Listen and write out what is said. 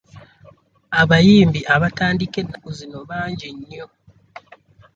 Abayimbi abatandika ennaku zino bangi nnyo.